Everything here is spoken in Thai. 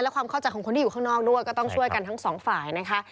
และความเข้าใจของคนที่อยู่ข้างนอกด้วยก็ต้องช่วยกันทั้งสองฝ่ายนะคะ